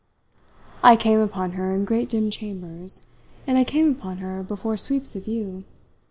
I came upon her in great dim chambers, and I came upon her before sweeps of view.